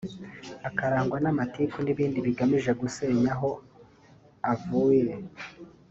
akarangwa n’amatiku n’ibindi bigamije gusenya aho avuye